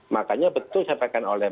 makanya betul sampaikan oleh